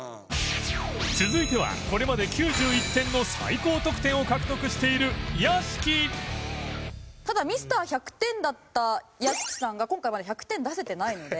続いてはこれまで９１点の最高得点を獲得している屋敷ただ Ｍｒ．１００ 点だった屋敷さんが今回まだ１００点出せてないので。